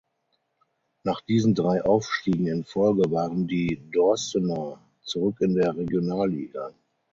Nach diesen drei Aufstiegen in Folge waren die Dorstener zurück in der Regionalliga.